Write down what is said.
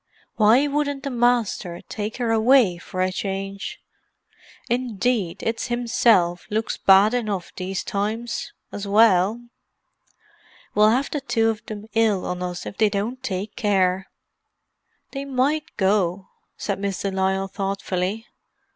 "Why wouldn't the Masther take her away for a change? Indeed, it's himself looks bad enough these times, as well. We'll have the two of them ill on us if they don't take care." "They might go," said Miss de Lisle thoughtfully.